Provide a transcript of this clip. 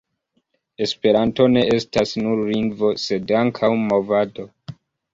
Esperanto ne estas nur lingvo, sed ankaŭ movado.